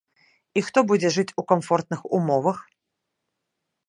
І хто будзе жыць у камфортных умовах?